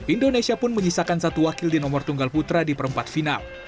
indonesia pun menyisakan satu wakil di nomor tunggal putra di perempat final